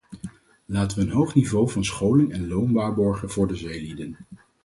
Laten we een hoog niveau van scholing en loon waarborgen voor de zeelieden.